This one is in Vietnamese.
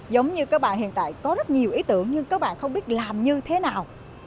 giống như các bạn hiện tại có rất nhiều ý tưởng nhưng các bạn không biết làm như thế nào